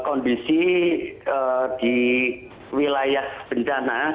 kondisi di wilayah bencana